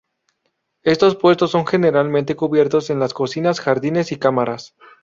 Estos puestos son generalmente cubiertos en las cocinas, jardines y cámaras.